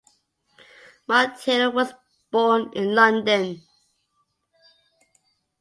Monteiro was born in London.